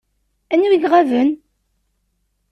Anwa i iɣaben?